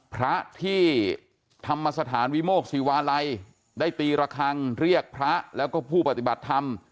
พระที่ธรรมสถานวิโมกศิวาลัยได้ตีระคังเรียกพระแล้วก็ผู้ปฏิบัติธรรม